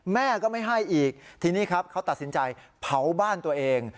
แม่ก็ไม่ให้อีกทีนี้ครับเขาตัดสินใจเผาบ้านตัวเอง